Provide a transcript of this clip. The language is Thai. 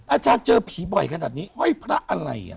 อาจารย์เจอผีบ่อยขนาดนี้ห้อยพระอะไร